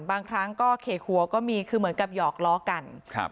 บางครั้งก็เขกหัวก็มีคือเหมือนกับหยอกล้อกันครับ